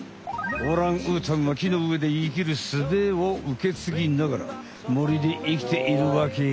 オランウータンは木の上で生きるすべを受け継ぎながら森で生きているわけよ！